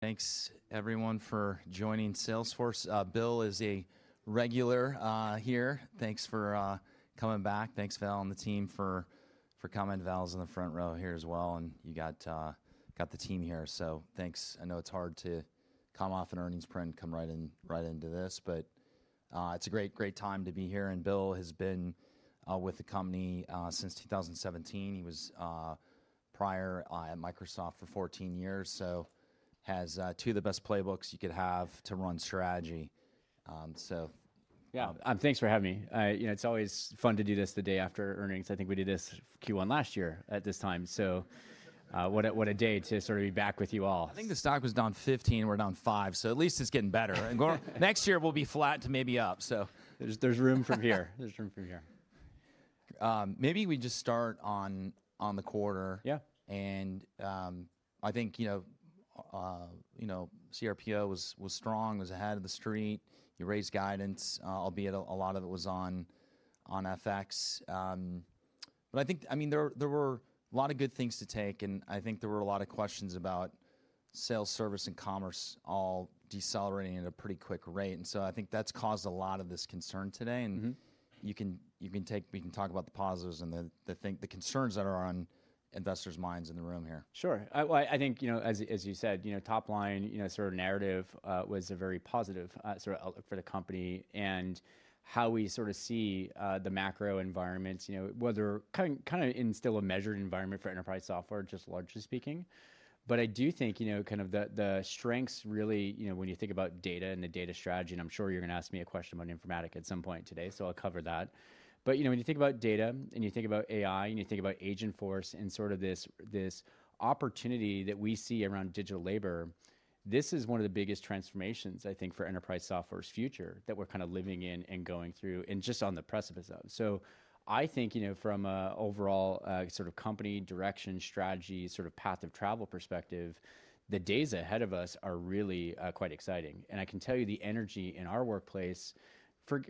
Thanks, everyone, for joining Salesforce. Bill is a regular here. Thanks for coming back. Thanks to Val and the team for coming. Val's in the front row here as well, and you got the team here. Thanks. I know it's hard to come off an earnings print and come right into this, but it's a great, great time to be here. Bill has been with the company since 2017. He was prior at Microsoft for 14 years, so has two of the best playbooks you could have to run strategy. Sir Yeah, thanks for having me. I, you know, it's always fun to do this the day after earnings. I think we did this Q1 last year at this time. What a, what a day to sort of be back with you all. I think the stock was down 15%. We're down 5%, so at least it's getting better. Going next year, we'll be flat to maybe up, so. There's room from here. There's room from here. Maybe we just start on, on the quarter. Yeah. I think, you know, you know, CRPO was, was strong, was ahead of the street. You raised guidance, albeit a lot of it was on FX. I think, I mean, there were a lot of good things to take, and I think there were a lot of questions about sales, service, and commerce all decelerating at a pretty quick rate. I think that's caused a lot of this concern today. Mm-hmm. You can take, we can talk about the positives and the concerns that are on investors' minds in the room here. Sure. I think, you know, as you said, you know, top line, you know, sort of narrative, was a very positive, sort of outlook for the company and how we sort of see the macro environment, you know, whether kind of in still a measured environment for enterprise software, just largely speaking. I do think, you know, kind of the strengths really, you know, when you think about data and the data strategy, and I'm sure you're gonna ask me a question about Informatica at some point today, so I'll cover that. You know, when you think about data and you think about AI and you think about Agentforce and sort of this, this opportunity that we see around digital labor, this is one of the biggest transformations, I think, for enterprise software's future that we're kind of living in and going through and just on the precipice of. I think, you know, from an overall, sort of company direction, strategy, sort of path of travel perspective, the days ahead of us are really quite exciting. I can tell you the energy in our workplace,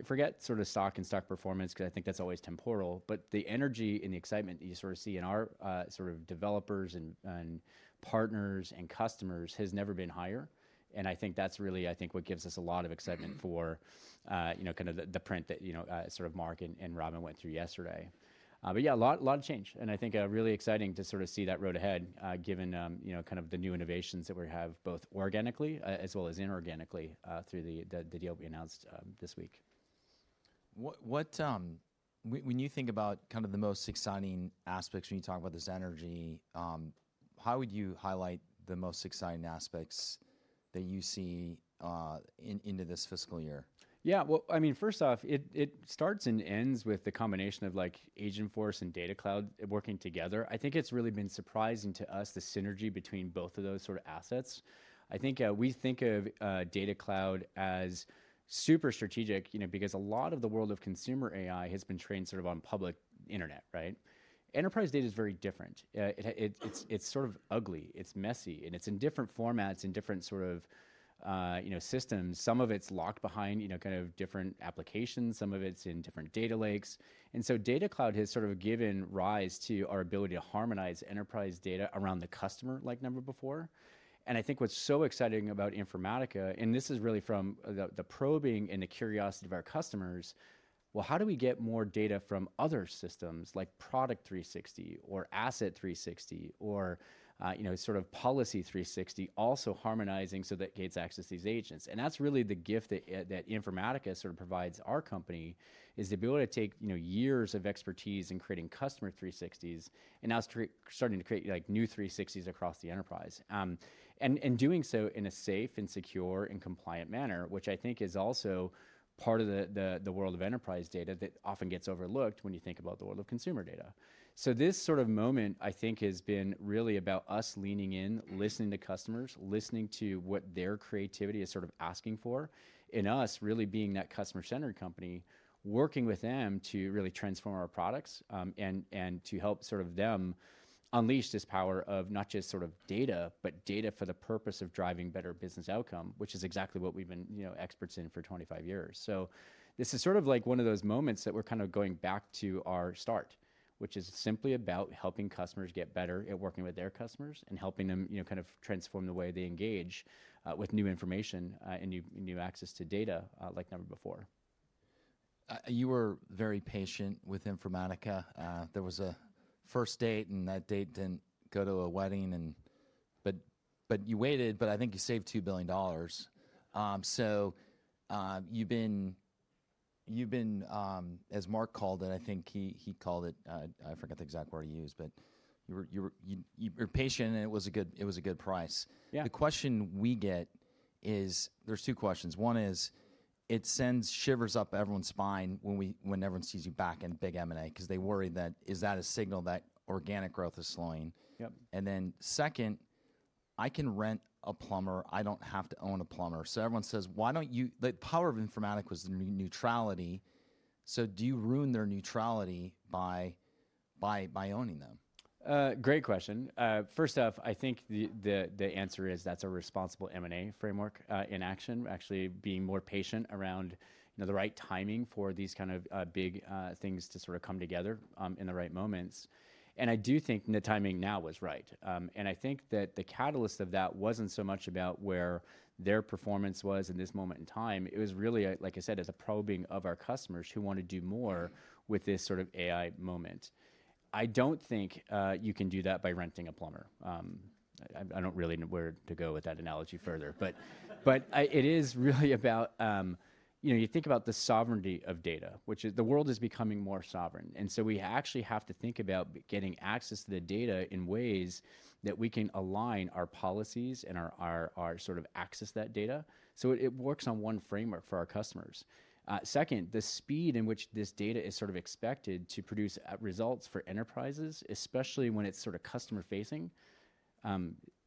forget sort of stock and stock performance, 'cause I think that's always temporal, but the energy and the excitement you sort of see in our, sort of developers and, and partners and customers has never been higher. I think that's really, I think, what gives us a lot of excitement for, you know, kind of the print that, you know, sort of Mark and Robin went through yesterday. Yeah, a lot, a lot of change. I think, really exciting to sort of see that road ahead, given, you know, kind of the new innovations that we have both organically, as well as inorganically, through the deal we announced this week. When you think about kind of the most exciting aspects when you talk about this energy, how would you highlight the most exciting aspects that you see into this fiscal year? Yeah. I mean, first off, it starts and ends with the combination of, like, Agentforce and Data Cloud working together. I think it's really been surprising to us, the synergy between both of those sort of assets. I think, we think of Data Cloud as super strategic, you know, because a lot of the world of consumer AI has been trained sort of on public internet, right? Enterprise data is very different. It has, it's sort of ugly. It's messy, and it's in different formats and different sort of, you know, systems. Some of it's locked behind, you know, kind of different applications. Some of it's in different data lakes. And so Data Cloud has sort of given rise to our ability to harmonize enterprise data around the customer, like never before. I think what's so exciting about Informatica, and this is really from the probing and the curiosity of our customers, well, how do we get more data from other systems like Product 360 or Asset 360 or, you know, sort of Policy 360 also harmonizing so that it gives access to these agents? That's really the gift that Informatica sort of provides our company, the ability to take years of expertise in creating customer 360s and now starting to create, like, new 360s across the enterprise, and doing so in a safe and secure and compliant manner, which I think is also part of the world of enterprise data that often gets overlooked when you think about the world of consumer data. This sort of moment, I think, has been really about us leaning in, listening to customers, listening to what their creativity is sort of asking for, and us really being that customer-centered company, working with them to really transform our products, and to help sort of them unleash this power of not just sort of data, but data for the purpose of driving better business outcome, which is exactly what we've been, you know, experts in for 25 years. This is sort of like one of those moments that we're kind of going back to our start, which is simply about helping customers get better at working with their customers and helping them, you know, kind of transform the way they engage, with new information, and new, new access to data, like never before. You were very patient with Informatica. There was a first date, and that date did not go to a wedding, but you waited, but I think you saved $2 billion. You have been, as Mark called it, I think he called it, I forgot the exact word he used, but you were patient, and it was a good price. Yeah. The question we get is, there's two questions. One is, it sends shivers up everyone's spine when everyone sees you back in big M&A because they worry that is that a signal that organic growth is slowing. Yep. I can rent a plumber. I do not have to own a plumber. Everyone says, "Why do not you?" The power of Informatica was the neutrality. Do you ruin their neutrality by owning them? Great question. First off, I think the answer is that's a responsible M&A framework in action, actually being more patient around, you know, the right timing for these kind of big things to sort of come together in the right moments. I do think the timing now was right. I think that the catalyst of that wasn't so much about where their performance was in this moment in time. It was really, like I said, as a probing of our customers who want to do more with this sort of AI moment. I don't think you can do that by renting a plumber. I don't really know where to go with that analogy further, but it is really about, you know, you think about the sovereignty of data, which is the world is becoming more sovereign. We actually have to think about getting access to the data in ways that we can align our policies and our, our sort of access to that data. It works on one framework for our customers. Second, the speed in which this data is sort of expected to produce results for enterprises, especially when it's sort of customer-facing.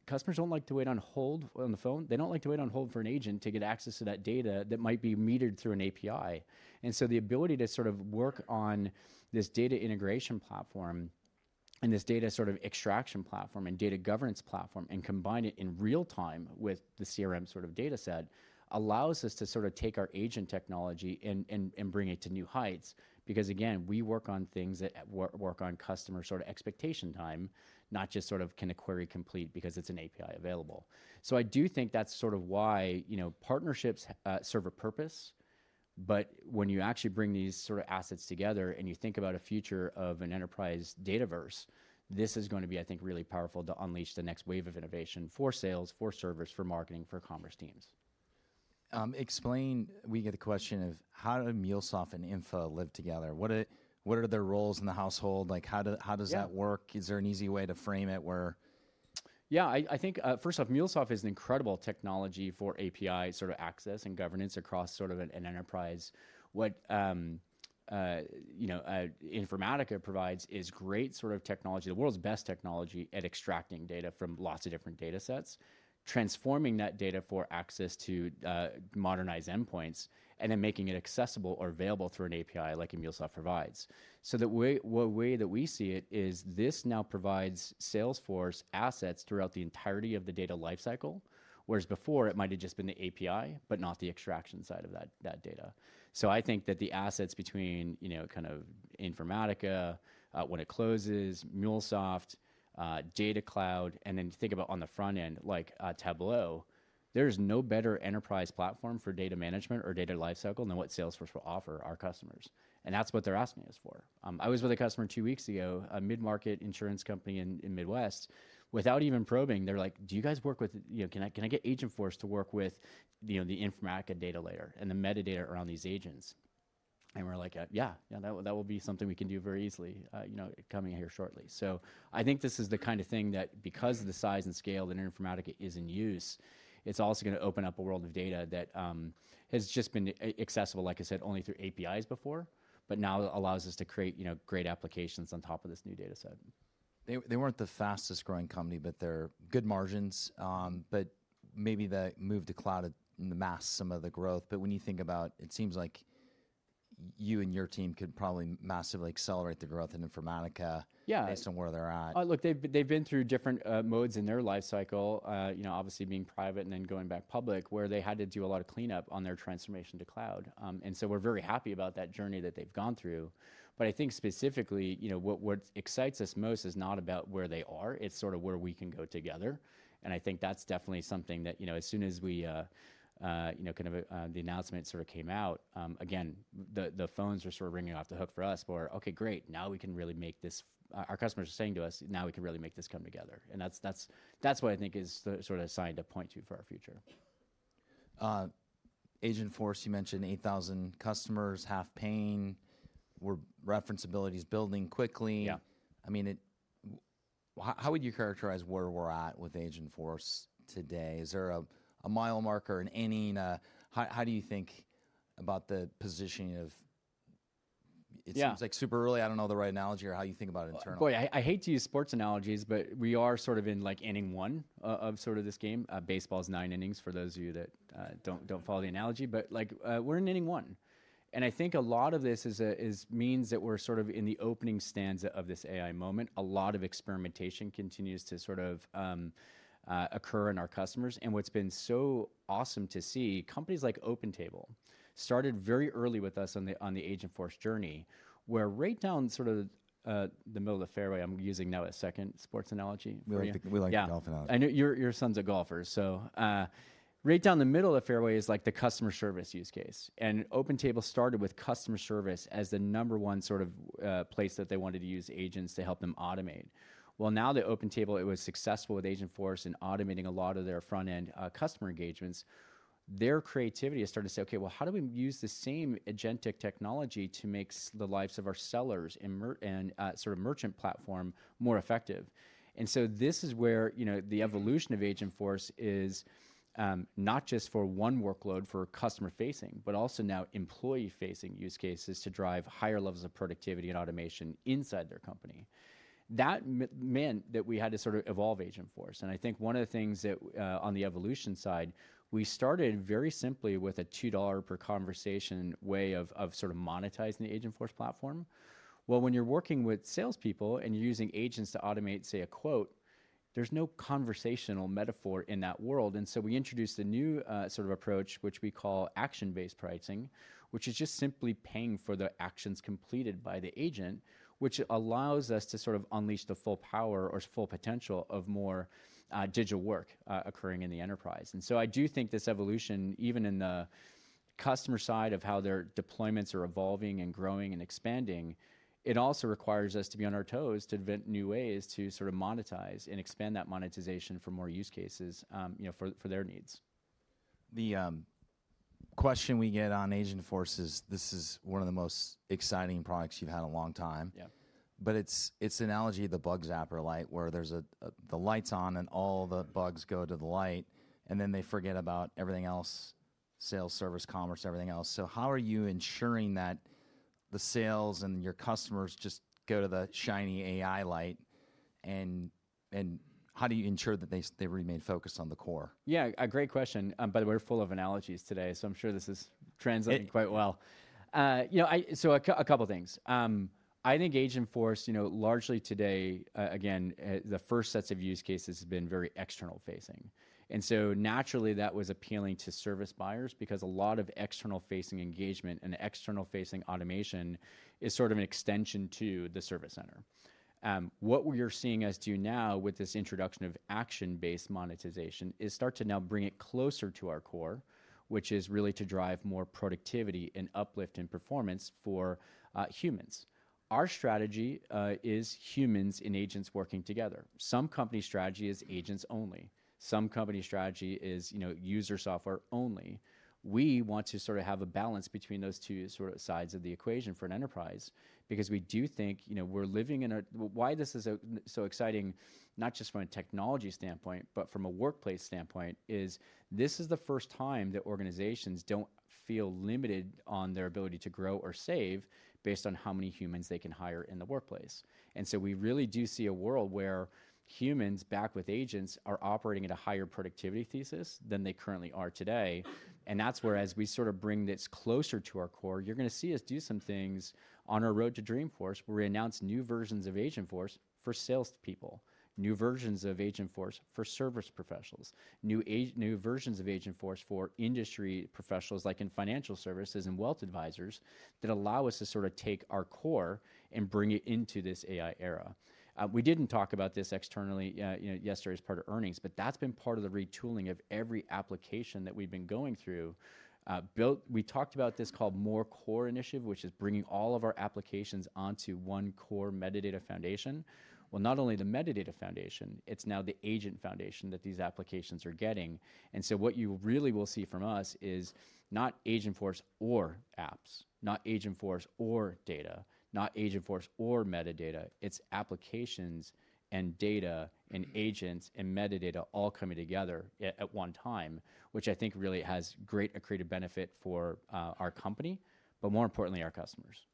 Customers don't like to wait on hold on the phone. They don't like to wait on hold for an agent to get access to that data that might be metered through an API. The ability to sort of work on this data integration platform and this data sort of extraction platform and data governance platform and combine it in real time with the CRM sort of dataset allows us to sort of take our agent technology and bring it to new heights because, again, we work on things that work on customer sort of expectation time, not just sort of can a query complete because it's an API available. I do think that's sort of why, you know, partnerships serve a purpose. When you actually bring these sort of assets together and you think about a future of an enterprise Dataverse, this is going to be, I think, really powerful to unleash the next wave of innovation for sales, for servers, for marketing, for commerce teams. Explain, we get the question of how do MuleSoft and Informatica live together? What are, what are their roles in the household? Like, how do, how does that work? Is there an easy way to frame it where? Yeah. I think, first off, MuleSoft is an incredible technology for API sort of access and governance across sort of an enterprise. What, you know, Informatica provides is great sort of technology, the world's best technology at extracting data from lots of different datasets, transforming that data for access to modernized endpoints, and then making it accessible or available through an API like MuleSoft provides. That way, the way that we see it is this now provides Salesforce assets throughout the entirety of the data lifecycle, whereas before it might've just been the API, but not the extraction side of that data. I think that the assets between, you know, kind of Informatica, when it closes, MuleSoft, Data Cloud, and then you think about on the front end, like, Tableau, there's no better enterprise platform for data management or data lifecycle than what Salesforce will offer our customers. That's what they're asking us for. I was with a customer two weeks ago, a mid-market insurance company in Midwest. Without even probing, they're like, "Do you guys work with, you know, can I, can I get Agentforce to work with, you know, the Informatica data layer and the metadata around these agents?" And we're like, yeah, yeah, that, that will be something we can do very easily, you know, coming here shortly." I think this is the kind of thing that, because of the size and scale that Informatica is in use, it's also going to open up a world of data that has just been accessible, like I said, only through APIs before, but now allows us to create, you know, great applications on top of this new dataset. They weren't the fastest growing company, but they're good margins. Maybe the move to cloud masks some of the growth. When you think about it, it seems like you and your team could probably massively accelerate the growth in Informatica. Yeah. Based on where they're at. Look, they've been through different modes in their lifecycle, you know, obviously being private and then going back public, where they had to do a lot of cleanup on their transformation to cloud. We are very happy about that journey that they've gone through. I think specifically, you know, what excites us most is not about where they are. It's sort of where we can go together. I think that's definitely something that, you know, as soon as we, you know, kind of, the announcement sort of came out, again, the phones were sort of ringing off the hook for us where, "Okay, great. Now we can really make this, our customers are saying to us, now we can really make this come together." That's what I think is sort of a sign to point to for our future. Agentforce, you mentioned 8,000 customers, half paying, where referenceability is building quickly. Yeah. I mean, how would you characterize where we're at with Agentforce today? Is there a mile marker, an inning? How do you think about the positioning of it? Seems like super early. I don't know the right analogy or how you think about it internally. Boy, I hate to use sports analogies, but we are sort of in like inning one of, of sort of this game. Baseball's nine innings for those of you that don't, don't follow the analogy, but like, we're in inning one. I think a lot of this is a, is means that we're sort of in the opening stands of this AI moment. A lot of experimentation continues to sort of occur in our customers. What's been so awesome to see, companies like OpenTable started very early with us on the, on the Agentforce journey, where right down sort of the middle of the fairway, I'm using now a second sports analogy. We like, we like the golf analogy. Yeah. I know your son's a golfer. Right down the middle of the fairway is like the customer service use case. OpenTable started with customer service as the number one sort of place that they wanted to use agents to help them automate. Now that OpenTable was successful with Agentforce and automating a lot of their front end customer engagements, their creativity has started to say, "Okay, how do we use the same agentic technology to make the lives of our sellers and, sort of merchant platform more effective?" This is where, you know, the evolution of Agentforce is, not just for one workload for customer-facing, but also now employee-facing use cases to drive higher levels of productivity and automation inside their company. That meant that we had to sort of evolve Agentforce. I think one of the things that, on the evolution side, we started very simply with a $2 per conversation way of, of sort of monetizing the Agentforce platform. When you're working with salespeople and you're using agents to automate, say, a quote, there's no conversational metaphor in that world. We introduced a new, sort of approach, which we call action-based pricing, which is just simply paying for the actions completed by the agent, which allows us to sort of unleash the full power or full potential of more, digital work, occurring in the enterprise. I do think this evolution, even in the customer side of how their deployments are evolving and growing and expanding, it also requires us to be on our toes to invent new ways to sort of monetize and expand that monetization for more use cases, you know, for, for their needs. The question we get on Agentforce is, this is one of the most exciting products you've had in a long time. Yeah. It's the analogy of the bug zapper light, where there's a, the light's on and all the bugs go to the light, and then they forget about everything else: sales, service, commerce, everything else. How are you ensuring that the sales and your customers just go to the shiny AI light? And how do you ensure that they remain focused on the core? Yeah, a great question. By the way, we're full of analogies today, so I'm sure this is translating quite well. You know, I, so a couple of things. I think Agentforce, you know, largely today, again, the first sets of use cases have been very external-facing. And so naturally, that was appealing to service buyers because a lot of external-facing engagement and external-facing automation is sort of an extension to the service center. What we're seeing as to now with this introduction of action-based monetization is start to now bring it closer to our core, which is really to drive more productivity and uplift in performance for humans. Our strategy is humans and agents working together. Some company strategy is agents only. Some company strategy is, you know, user software only. We want to sort of have a balance between those two sort of sides of the equation for an enterprise because we do think, you know, we're living in a, why this is so exciting, not just from a technology standpoint, but from a workplace standpoint, is this is the first time that organizations don't feel limited on their ability to grow or save based on how many humans they can hire in the workplace. And so we really do see a world where humans back with agents are operating at a higher productivity thesis than they currently are today. That is where, as we sort of bring this closer to our core, you're going to see us do some things on our road to Dreamforce where we announce new versions of Agentforce for salespeople, new versions of Agentforce for service professionals, new versions of Agentforce for industry professionals like in financial services and wealth advisors that allow us to sort of take our core and bring it into this AI era. We did not talk about this externally, you know, yesterday as part of earnings, but that has been part of the retooling of every application that we've been going through, built. We talked about this called More Core Initiative, which is bringing all of our applications onto one core metadata foundation. Not only the metadata foundation, it is now the agent foundation that these applications are getting. What you really will see from us is not Agentforce or apps, not Agentforce or data, not Agentforce or metadata. It is applications and data and agents and metadata all coming together at one time, which I think really has great a creative benefit for our company, but more importantly, our customers.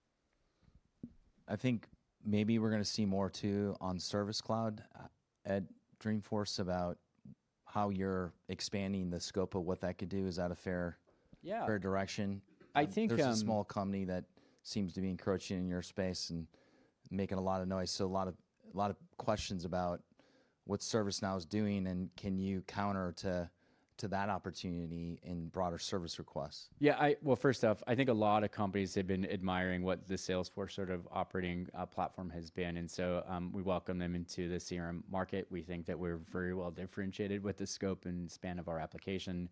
I think maybe we're going to see more too on Service Cloud. At Dreamforce about how you're expanding the scope of what that could do. Is that a fair, fair direction? Yeah. I think, is a small company that seems to be encroaching in your space and making a lot of noise. A lot of questions about what ServiceNow is doing and can you counter to that opportunity in broader service requests? Yeah, I, first off, I think a lot of companies have been admiring what the Salesforce sort of operating platform has been. We welcome them into the CRM market. We think that we're very well differentiated with the scope and span of our application.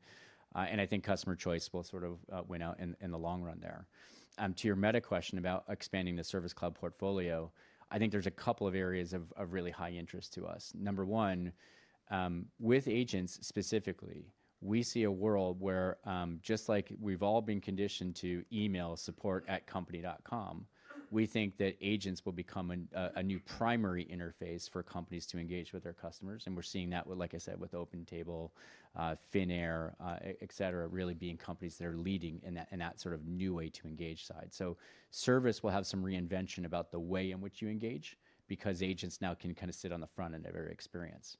I think customer choice will sort of win out in the long run there. To your meta question about expanding the Service Cloud portfolio, I think there's a couple of areas of really high interest to us. Number one, with agents specifically, we see a world where, just like we've all been conditioned to email support@company.com, we think that agents will become a new primary interface for companies to engage with their customers. We're seeing that with, like I said, with OpenTable, Finnair, et cetera, really being companies that are leading in that, in that sort of new way to engage side. Service will have some reinvention about the way in which you engage because agents now can kind of sit on the front end of every experience.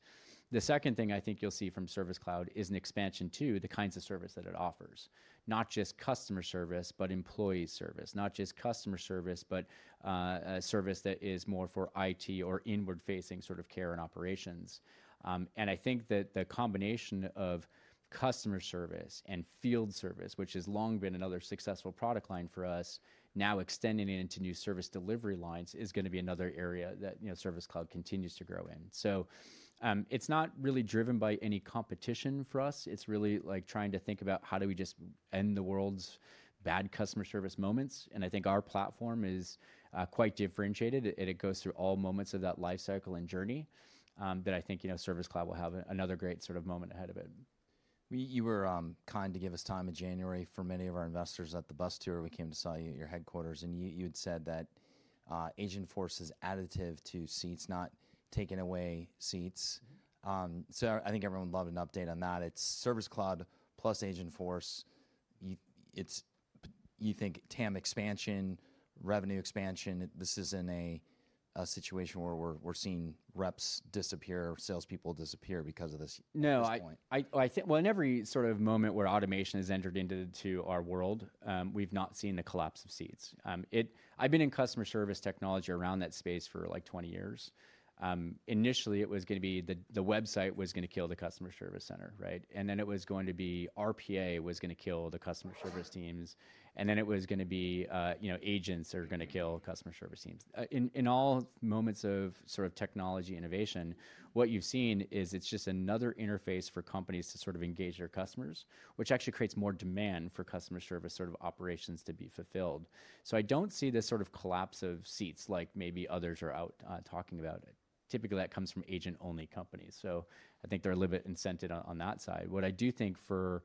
The second thing I think you'll see from Service Cloud is an expansion to the kinds of service that it offers, not just customer service, but employee service, not just customer service, but a service that is more for IT or inward-facing sort of care and operations. I think that the combination of customer service and field service, which has long been another successful product line for us, now extending it into new service delivery lines is going to be another area that, you know, Service Cloud continues to grow in. It is not really driven by any competition for us. It is really like trying to think about how do we just end the world's bad customer service moments. I think our platform is quite differentiated. It goes through all moments of that lifecycle and journey, that I think, you know, Service Cloud will have another great sort of moment ahead of it. You were kind to give us time in January for many of our investors at the bus tour we came to see you at your headquarters. And you had said that Agentforce is additive to seats, not taking away seats. I think everyone would love an update on that. It's Service Cloud plus Agentforce. You think TAM expansion, revenue expansion. This isn't a situation where we're seeing reps disappear or salespeople disappear because of this point. No, I think, in every sort of moment where automation has entered into our world, we've not seen the collapse of seats. I have been in customer service technology around that space for like 20 years. Initially it was going to be the website was going to kill the customer service center, right? And then it was going to be RPA was going to kill the customer service teams. And then it was going to be, you know, agents are going to kill customer service teams. In all moments of sort of technology innovation, what you've seen is it's just another interface for companies to sort of engage their customers, which actually creates more demand for customer service sort of operations to be fulfilled. I do not see this sort of collapse of seats like maybe others are out, talking about it. Typically that comes from agent-only companies. I think they're a little bit incented on that side. What I do think for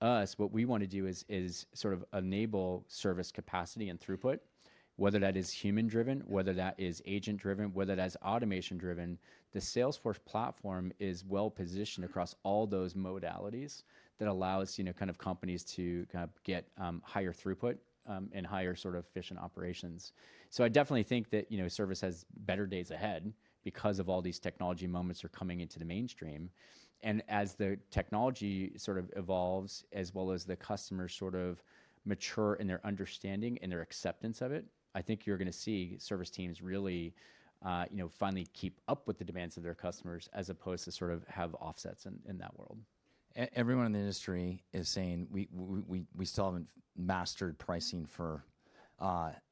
us, what we want to do is sort of enable service capacity and throughput, whether that is human-driven, whether that is agent-driven, whether that's automation-driven. The Salesforce platform is well-positioned across all those modalities that allows, you know, kind of companies to kind of get higher throughput, and higher sort of efficient operations. I definitely think that, you know, service has better days ahead because of all these technology moments that are coming into the mainstream. As the technology sort of evolves, as well as the customers sort of mature in their understanding and their acceptance of it, I think you're going to see service teams really, you know, finally keep up with the demands of their customers as opposed to sort of have offsets in, in that world. Everyone in the industry is saying we, we, we still haven't mastered pricing for,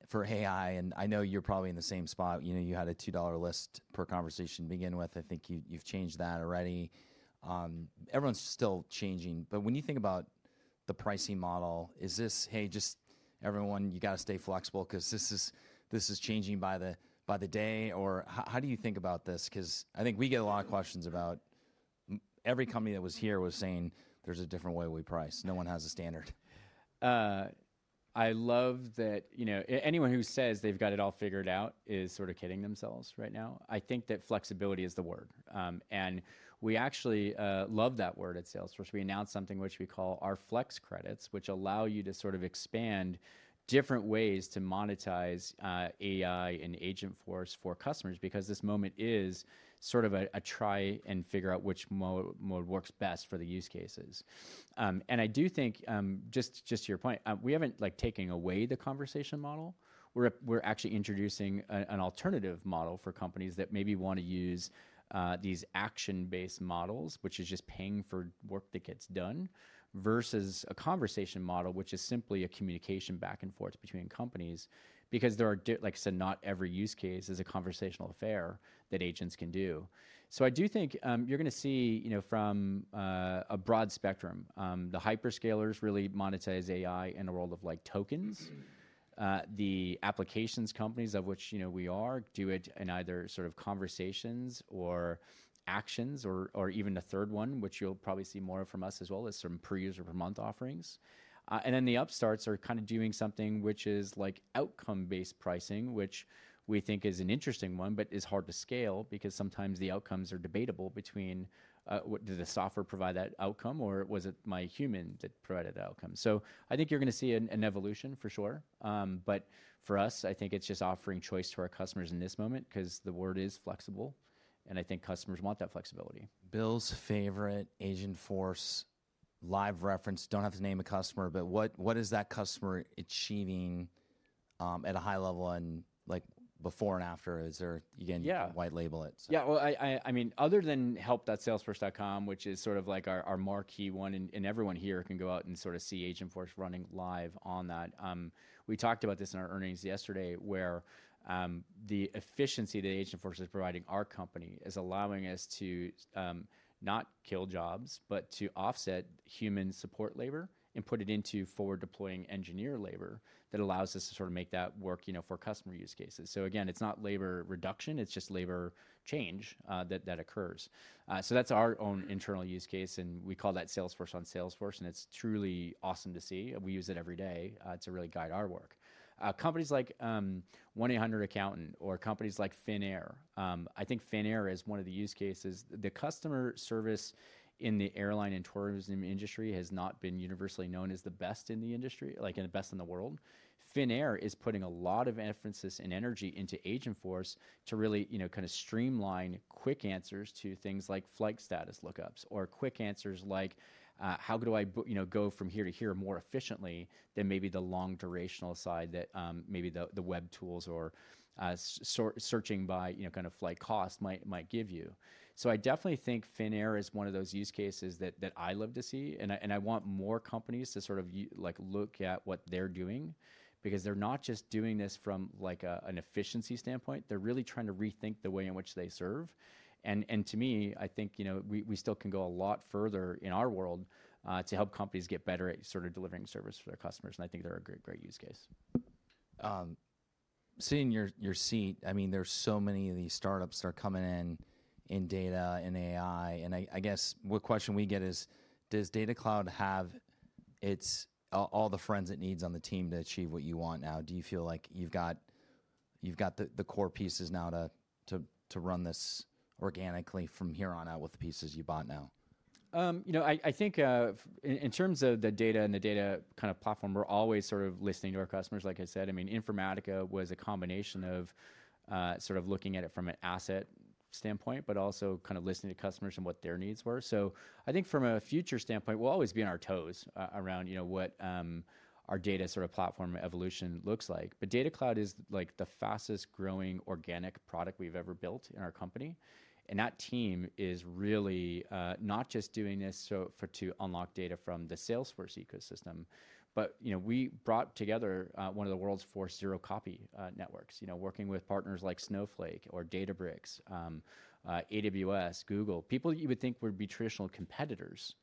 for AI. And I know you're probably in the same spot. You know, you had a $2 list per conversation to begin with. I think you've, you've changed that already. Everyone's still changing. But when you think about the pricing model, is this, hey, just everyone, you got to stay flexible because this is, this is changing by the, by the day or how, how do you think about this? Because I think we get a lot of questions about every company that was here was saying there's a different way we price. No one has a standard. I love that, you know, anyone who says they've got it all figured out is sort of kidding themselves right now. I think that flexibility is the word. And we actually love that word at Salesforce. We announced something which we call our flex credits, which allow you to sort of expand different ways to monetize AI and Agentforce for customers because this moment is sort of a try and figure out which mode, mode works best for the use cases. And I do think, just to your point, we haven't like taken away the conversation model. We're actually introducing an alternative model for companies that maybe want to use these action-based models, which is just paying for work that gets done versus a conversation model, which is simply a communication back and forth between companies because there are, like I said, not every use case is a conversational affair that agents can do. I do think you're going to see, you know, from a broad spectrum, the hyperscalers really monetize AI in a world of like tokens. The applications companies, of which, you know, we are, do it in either sort of conversations or actions or even a third one, which you'll probably see more of from us as well as some per user per month offerings. and then the upstarts are kind of doing something which is like outcome-based pricing, which we think is an interesting one, but is hard to scale because sometimes the outcomes are debatable between, what did the software provide that outcome or was it my human that provided that outcome? I think you're going to see an evolution for sure. For us, I think it's just offering choice to our customers in this moment because the word is flexible. I think customers want that flexibility. Bill's favorite Agentforce live reference, don't have to name a customer, but what, what is that customer achieving, at a high level and like before and after? Is there you can white label it. Yeah, I mean, other than help.salesforce.com, which is sort of like our marquee one and everyone here can go out and sort of see Agentforce running live on that. We talked about this in our earnings yesterday where the efficiency that Agentforce is providing our company is allowing us to not kill jobs, but to offset human support labor and put it into forward deploying engineer labor that allows us to sort of make that work, you know, for customer use cases. Again, it's not labor reduction, it's just labor change that occurs. That's our own internal use case and we call that Salesforce on Salesforce and it's truly awesome to see. We use it every day. It's a really guide our work. Companies like 1-800-ACCOUNTANT or companies like Finnair. I think Finnair is one of the use cases. The customer service in the airline and tourism industry has not been universally known as the best in the industry, like in the best in the world. Finnair is putting a lot of efforts and energy into Agentforce to really, you know, kind of streamline quick answers to things like flight status lookups or quick answers like, how do I, you know, go from here to here more efficiently than maybe the long durational side that, maybe the, the web tools or, searching by, you know, kind of flight cost might give you. I definitely think Finnair is one of those use cases that I love to see. I want more companies to sort of like look at what they're doing because they're not just doing this from like an efficiency standpoint. They're really trying to rethink the way in which they serve. To me, I think, you know, we still can go a lot further in our world to help companies get better at sort of delivering service for their customers. I think they're a great, great use case. Seeing your seat, I mean, there's so many of these startups that are coming in, in data and AI. I guess what question we get is, does Data Cloud have its all, all the friends it needs on the team to achieve what you want now? Do you feel like you've got, you've got the core pieces now to run this organically from here on out with the pieces you bought now? You know, I think, in terms of the data and the data kind of platform, we're always sort of listening to our customers. Like I said, I mean, Informatica was a combination of sort of looking at it from an asset standpoint, but also kind of listening to customers and what their needs were. I think from a future standpoint, we'll always be on our toes around, you know, what our data sort of platform evolution looks like. Data Cloud is like the fastest growing organic product we've ever built in our company. That team is really not just doing this to unlock data from the Salesforce ecosystem, but, you know, we brought together one of the world's four zero-copy networks, working with partners like Snowflake or Databricks, AWS, Google, people that you would think would be traditional competitors.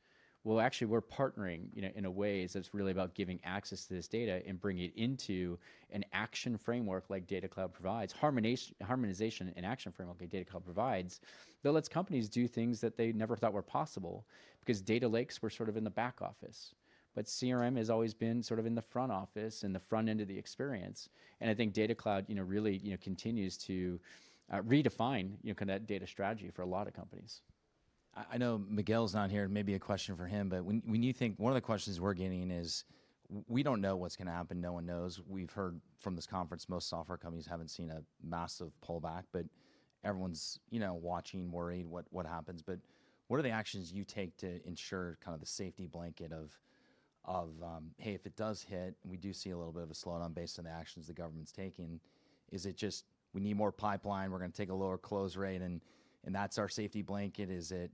We're partnering, you know, in a way that's really about giving access to this data and bringing it into an action framework like Data Cloud provides, harmonization and action framework like Data Cloud provides, that lets companies do things that they never thought were possible because data lakes were sort of in the back office. CRM has always been sort of in the front office and the front end of the experience. I think Data Cloud, you know, really, you know, continues to redefine, you know, kind of that data strategy for a lot of companies. I know Miguel's not here. Maybe a question for him, but when you think, one of the questions we're getting is we don't know what's going to happen. No one knows. We've heard from this conference, most software companies haven't seen a massive pullback, but everyone's, you know, watching, worried what happens. What are the actions you take to ensure kind of the safety blanket of, hey, if it does hit, we do see a little bit of a slowdown based on the actions the government's taking. Is it just we need more pipeline? We're going to take a lower close rate and that's our safety blanket. Is it,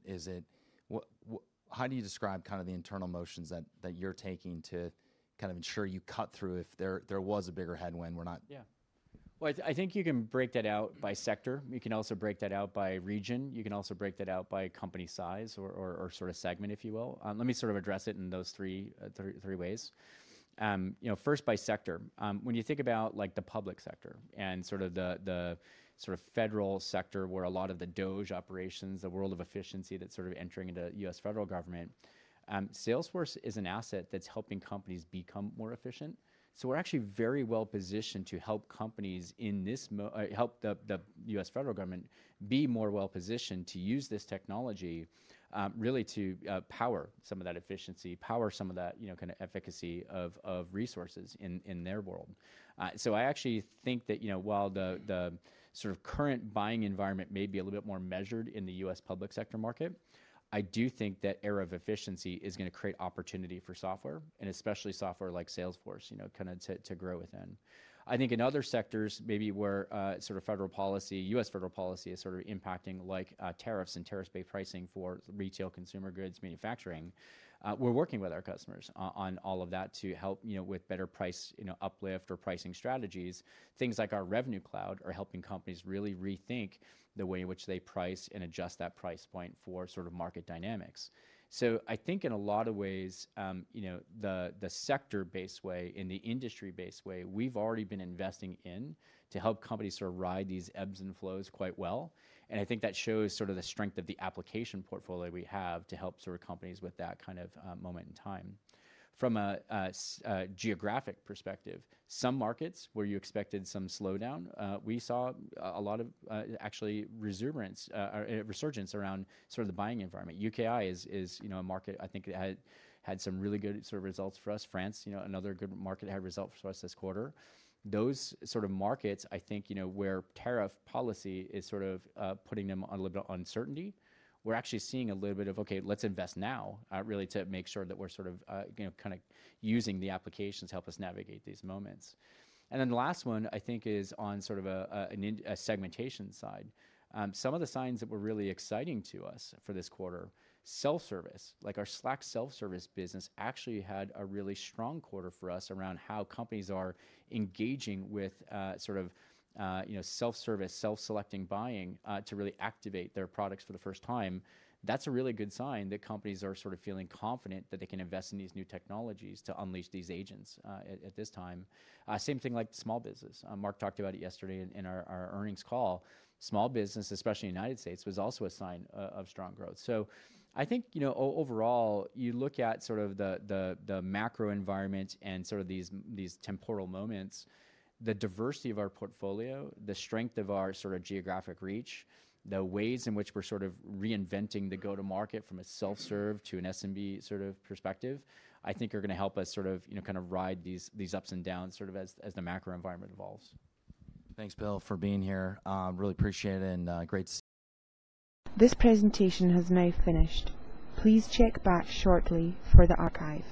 what, how do you describe kind of the internal motions that you're taking to kind of ensure you cut through if there was a bigger headwind? We're not. Yeah. I think you can break that out by sector. You can also break that out by region. You can also break that out by company size or sort of segment, if you will. Let me sort of address it in those three ways. You know, first by sector, when you think about like the public sector and sort of the federal sector where a lot of the DOGE operations, the world of efficiency that's sort of entering into U.S. federal government, Salesforce is an asset that's helping companies become more efficient. So we're actually very well positioned to help companies in this mo, help the U.S. federal government be more well positioned to use this technology, really to power some of that efficiency, power some of that, you know, kind of efficacy of resources in their world. I actually think that, you know, while the sort of current buying environment may be a little bit more measured in the U.S. public sector market, I do think that era of efficiency is going to create opportunity for software and especially software like Salesforce, you know, kind of to grow within. I think in other sectors maybe where, sort of federal policy, U.S. federal policy is sort of impacting like, tariffs and tariffs-based pricing for retail consumer goods manufacturing. We're working with our customers on all of that to help, you know, with better price, you know, uplift or pricing strategies. Things like our Revenue Cloud are helping companies really rethink the way in which they price and adjust that price point for sort of market dynamics. I think in a lot of ways, you know, the sector-based way and the industry-based way we've already been investing in to help companies sort of ride these ebbs and flows quite well. I think that shows sort of the strength of the application portfolio we have to help sort of companies with that kind of moment in time. From a geographic perspective, some markets where you expected some slowdown, we saw a lot of, actually, resurgence, or resurgence around sort of the buying environment. UKI is, you know, a market I think it had, had some really good sort of results for us. France, you know, another good market had results for us this quarter. Those sort of markets, I think, you know, where tariff policy is sort of putting them on a little bit of uncertainty, we're actually seeing a little bit of, okay, let's invest now, really to make sure that we're sort of, you know, kind of using the applications to help us navigate these moments. The last one I think is on sort of a segmentation side. Some of the signs that were really exciting to us for this quarter, self-service, like our Slack self-service business actually had a really strong quarter for us around how companies are engaging with, sort of, you know, self-service, self-selecting buying, to really activate their products for the first time. That's a really good sign that companies are sort of feeling confident that they can invest in these new technologies to unleash these agents at this time. Same thing like small business. Mark talked about it yesterday in our earnings call. Small business, especially in the United States, was also a sign of strong growth. I think, you know, overall, you look at sort of the macro environment and sort of these temporal moments, the diversity of our portfolio, the strength of our sort of geographic reach, the ways in which we're sort of reinventing the go-to-market from a self-serve to an S&B sort of perspective, I think are going to help us sort of, you know, kind of ride these ups and downs as the macro environment evolves. Thanks, Bill, for being here. Really appreciate it and, great. This presentation has now finished. Please check back shortly for the archive.